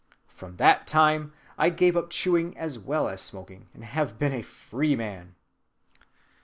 From that time I gave up chewing as well as smoking, and have been a free man."